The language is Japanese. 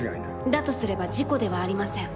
だとすれば事故ではありません。